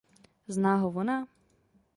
Zná ho vona?